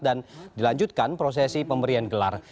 dan dilanjutkan prosesi pemberian gelar